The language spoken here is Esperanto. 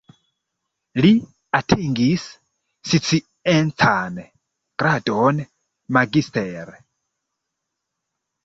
Li atingis sciencan gradon "magister".